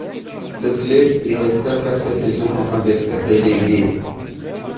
Le club y resta quatre saisons avant d’être relégué.